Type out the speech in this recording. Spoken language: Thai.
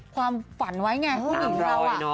ความฝันไว้ไงผู้ชมเราอ่ะตามปลอยเนาะ